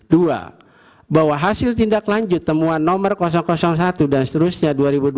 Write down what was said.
dua bahwa hasil tindak lanjut temuan nomor satu dan seterusnya dua ribu dua puluh